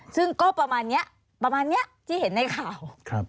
ซึ่งก็ประมาณนี้ที่เห็นในข่าว